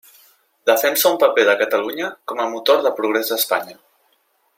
Defensa un paper de Catalunya com de motor de progrés d'Espanya.